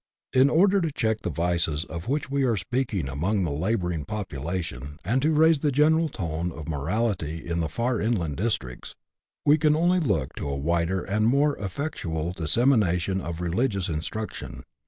In order to check the vices of which we are speaking among the labouring population, and to raise the general tone of mo rality in the far inland districts, we can only look to a wider and more effectual dissemination of religious instruction.